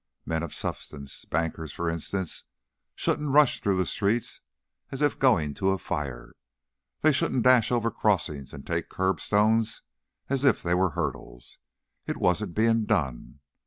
Men of substance, bankers, for instance, shouldn't rush through the streets as if going to a fire; they shouldn't dash over crossings and take curbstones as if they were hurdles. It wasn't being done.